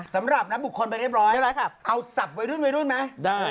สำหรับนับบุคคลไปเรียบร้อยเอาสับวัยรุ่นไหมได้